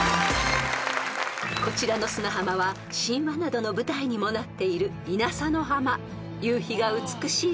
［こちらの砂浜は神話などの舞台にもなっている］